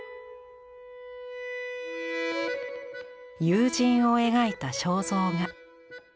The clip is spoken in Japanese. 友人を描いた肖像画。